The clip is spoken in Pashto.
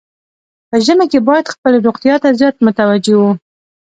په ژمي کې باید خپلې روغتیا ته زیات متوجه وو.